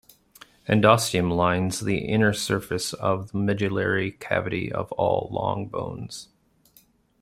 Endosteum lines the inner surface of the medullary cavity of all long bones.